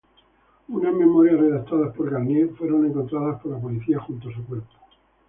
Unas memorias redactadas por Garnier fueron encontradas por la policía junto a su cuerpo.